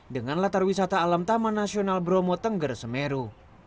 dengan latar wisata alam taman nasional bromo tengger semeru